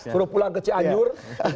suruh pulang ke cianjur